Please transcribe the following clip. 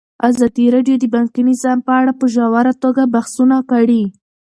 ازادي راډیو د بانکي نظام په اړه په ژوره توګه بحثونه کړي.